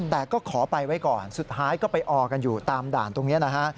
แต่ก็ขอไปไว้ก่อนสุดท้ายก็ไปออกันอยู่ตามด่านตรงนี้นะฮะ